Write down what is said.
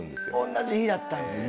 同じ日やったんですよね。